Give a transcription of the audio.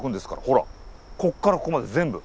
ほらこっからここまで全部。